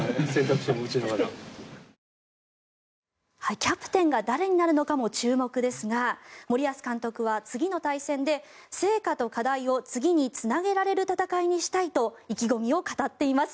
キャプテンが誰になるのかも注目ですが森保監督は次の対戦で成果と課題を次につなげられる戦いにしたいと意気込みを語っています。